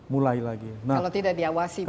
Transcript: kalau tidak diawasi biasanya